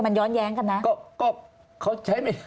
มันย้อนแย้งกันนะ